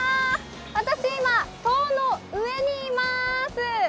私、今、塔の上にいます。